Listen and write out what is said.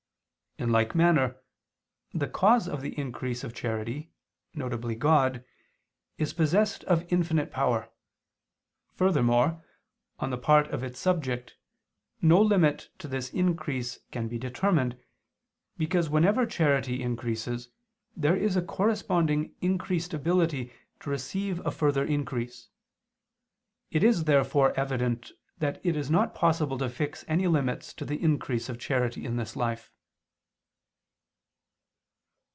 In like manner the cause of the increase of charity, viz. God, is possessed of infinite power. Furthermore, on the part of its subject, no limit to this increase can be determined, because whenever charity increases, there is a corresponding increased ability to receive a further increase. It is therefore evident that it is not possible to fix any limits to the increase of charity in this life.